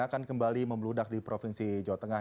akan kembali membeludak di provinsi jawa tengah